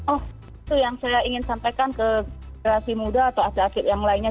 oh itu yang saya ingin sampaikan ke relasi muda atau asli asli yang lainnya